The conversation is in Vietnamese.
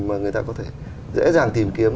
mà người ta có thể dễ dàng tìm kiếm